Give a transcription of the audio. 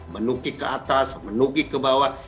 menukik ke atas menuki ke bawah